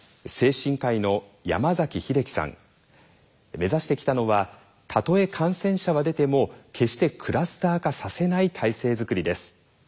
目指してきたのはたとえ感染者は出ても決してクラスター化させない体制づくりです。